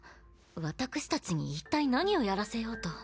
私たちに一体何をやらせようと？